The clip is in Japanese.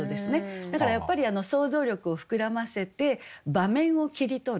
だからやっぱり想像力を膨らませて場面を切り取る。